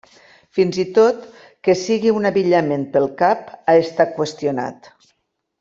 Fins i tot que sigui un abillament pel cap ha estat qüestionat.